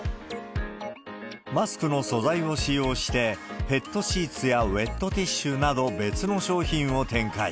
マスクの素材を使用して、ペットシーツやウエットティッシュなど、別の商品を展開。